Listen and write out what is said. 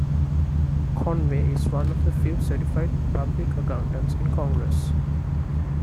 Conaway is one of the few Certified Public Accountants in Congress.